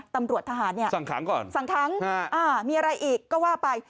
ตำรวจทหารเนี่ยสั่งขังก่อนสั่งขังมีอะไรอีกก็ว่าไป